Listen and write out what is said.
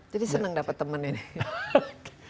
jadi senang dapat teman ini